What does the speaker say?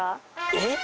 えっ？